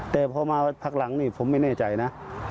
แต่พอมาพักหลังนี่ผมไม่แน่ใจนะ